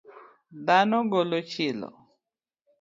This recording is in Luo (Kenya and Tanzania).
Dhano golo chilo.